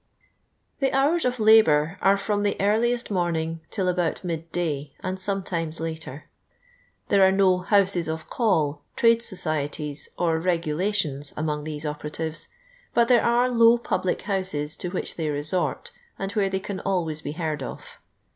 The ftonrs of labour are from the earliest moniing till about midday, and sometimes later. There are no Jlouses of Calf, trade societies, or regulations among these operatives, but there nro low public houses to which they resort, and where they ciin always be he; ird of.